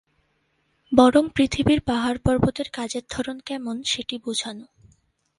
বরং পৃথিবীর পাহাড়-পর্বতের কাজের ধরন কেমন সেটি বুঝানো।